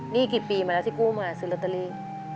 นี่กี่ปีมาแล้วที่กู้มาซื้อลอตเตอรี่